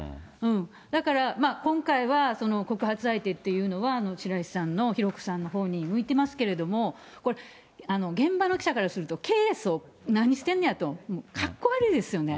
だから、今回は告発相手というのは、白石さんの、浩子さんのほうに向いていますけれども、これ、現場の記者からすると、経営層、何してんのやと、かっこ悪いですよね。